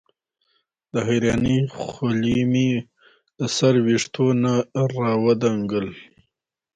د حېرانۍ خولې مې د سر وېښتو نه راودنګل